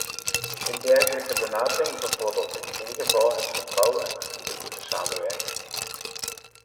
Een dergelijke benadering bevordert in geen geval het vertrouwen en de goede samenwerking.